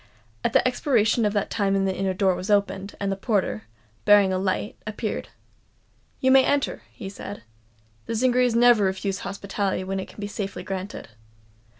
At the expiration of that time the inner door was opened:; and the porter, bearing a light, appeared. "You may enter," he said. "The Zingarees never refuse hospitality when it can be safely granted."